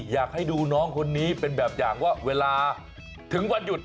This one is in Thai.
อยากให้ดูน้องคนนี้เป็นแบบอย่างว่าเวลาถึงวันหยุด